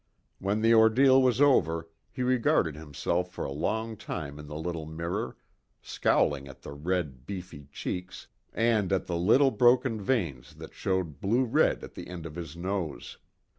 When the ordeal was over he regarded himself for a long time in the little mirror, scowling at the red, beefy cheeks, and at the little broken veins that showed blue red at the end of his nose.